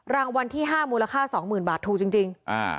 รางวัลที่๕มูลค่า๒๐๐๐บาทถูกจริง